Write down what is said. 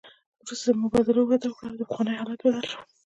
وروسته مبادلو وده وکړه او دا پخوانی حالت بدل شو